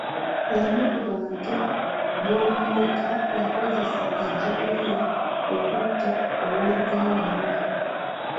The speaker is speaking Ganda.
Omu ku bantu b'omu maka yakozesa ejjambiya okutta owooluganda lwe.